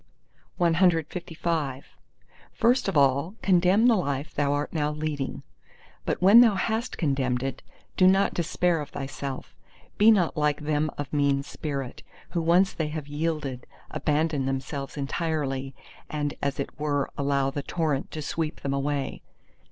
CLVI First of all, condemn the life thou art now leading: but when thou hast condemned it, do not despair of thyself—be not like them of mean spirit, who once they have yielded, abandon themselves entirely and as it were allow the torrent to sweep them away.